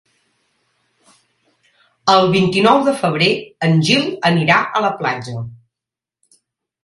El vint-i-nou de febrer en Gil anirà a la platja.